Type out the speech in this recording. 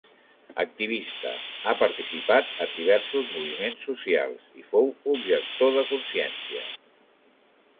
Activista, ha participat en diversos moviments socials, fou objector de consciència.